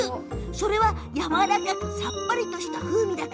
それは、やわらかくさっぱりとした風味。